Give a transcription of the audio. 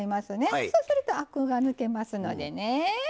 そうするとアクが抜けますのでね。